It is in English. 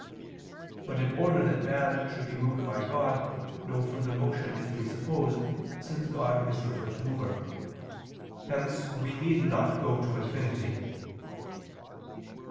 But in order that man should be moved by God, no further motion is presupposed since God is the First Mover. Hence we need not go to infinity.